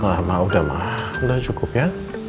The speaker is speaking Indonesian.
ma ma udah ma udah cukup ya